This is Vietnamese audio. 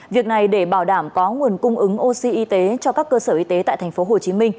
việc này để bảo đảm có nguồn cung ứng oxy y tế cho các cơ sở y tế tại tp hcm